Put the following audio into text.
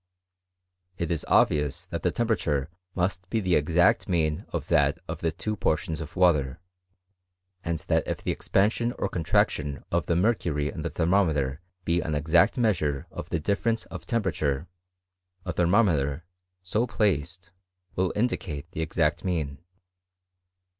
It is obvious that the temperature must be the exact mean of that of the two portions of water ; and that if the expansion or contraction of the mercury in the ther mometer be an exact measure of the difference of temperature, a thermometer, so placed, will indicate the exact mean.